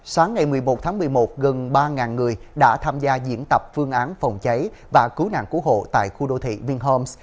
sáng ngày một mươi một tháng một mươi một gần ba người đã tham gia diễn tập phương án phòng cháy và cứu nạn cứu hộ tại khu đô thị vinh homes